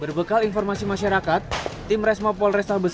berbekal informasi masyarakat tim resmopol restable sembunyai